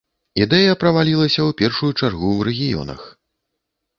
Ідэя правалілася, у першую чаргу, у рэгіёнах.